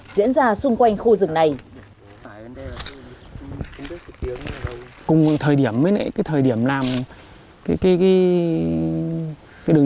có thể diễn ra xung quanh khu rừng này cùng thời điểm mới lấy cái thời điểm làm cái cái cái đường